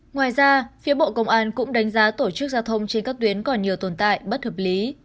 ngoài ra phía bộ công an cũng đánh giá tổ chức giao thông trên các tuyến còn nhiều tồn tại bất hợp lý